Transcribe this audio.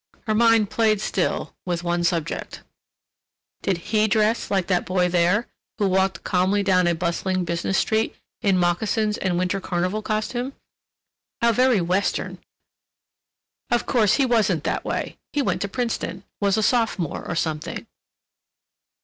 Her mind played still with one subject. Did he dress like that boy there, who walked calmly down a bustling business street, in moccasins and winter carnival costume? How very Western! Of course he wasn't that way: he went to Princeton, was a sophomore or something.